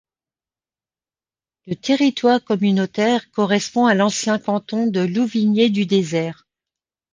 Le territoire communautaire correspond à l'ancien canton de Louvigné-du-Désert.